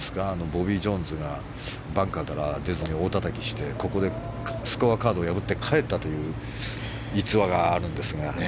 ボビー・ジョーンズがバンカーから出ずに大たたきしてここでスコアカードを破って帰ったという逸話があるんですが。